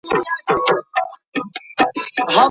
ساینس پوهنځۍ په خپلسري ډول نه ویشل کیږي.